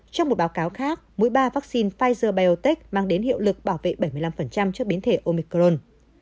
trong một báo cáo khác mũi ba vaccine pfizer biontech mang đến hiệu lực bảo vệ bảy mươi năm trước biến thể omicron